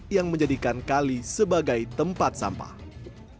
yang menjadikan kali sebagai sebuah tempat yang terkenal